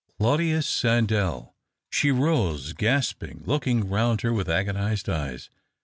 Claudius Sandell " She rose, gasping, looking round her with agonized eyes.